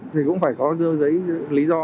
thì cũng phải có dơ giấy lý do